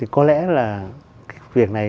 có lẽ là việc này